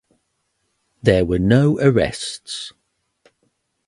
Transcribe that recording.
There were no arrests.